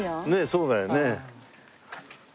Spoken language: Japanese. そうだよね。